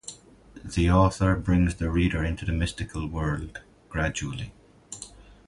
The author brings the reader into the mystical world gradually.